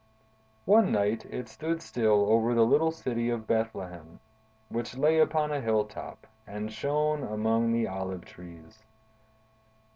One night it stood still over the little city of Bethlehem, which lay upon a hill top, and shone among the olive trees.